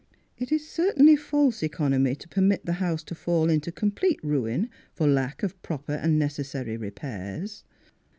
It is certainly false economy to permit the house to fall into complete ruin for lack of proper and necessary repairs."